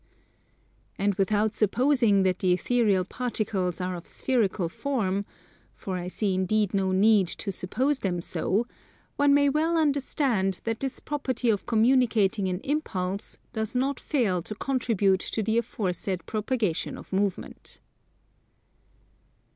And without supposing that the ethereal particles are of spherical form (for I see indeed no need to suppose them so) one may well understand that this property of communicating an impulse does not fail to contribute to the aforesaid propagation of movement.